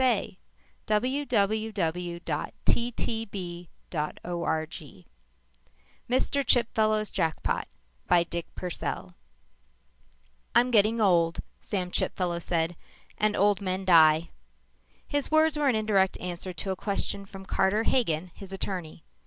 For someone should claim Mr. Chipfellow's Jackpot by Dick Purcell "I'm getting old," Sam Chipfellow said, "and old men die." His words were an indirect answer to a question from Carter Hagen, his attorney.